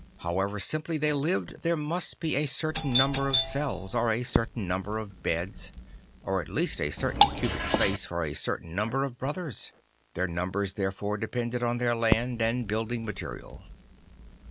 However simply they lived there must be a certain number of cells or a certain number of beds or at least a certain cubic space for a certain number of brothers; their numbers therefore depended on their land and building material.